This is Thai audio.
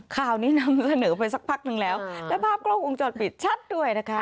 ข่าวนี้นำเสนอไปสักพักนึงแล้วและภาพกล้องวงจรปิดชัดด้วยนะคะ